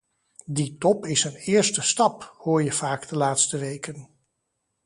Die top is een eerste stap, hoor je vaak de laatste weken.